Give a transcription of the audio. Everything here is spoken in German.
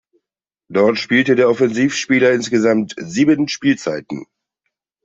Dort spielte der Offensivspieler insgesamt sieben Spielzeiten.